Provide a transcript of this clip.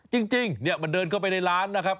จริงเนี่ยมันเดินเข้าไปในร้านนะครับ